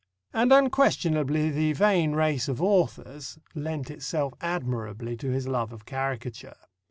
And unquestionably the vain race of authors lent itself admirably to his love of caricature.